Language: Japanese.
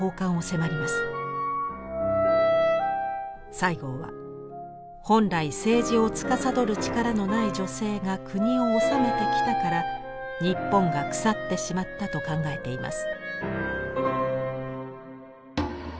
西郷は本来政治をつかさどる力のない女性が国を治めてきたから日本が腐ってしまったと考えています。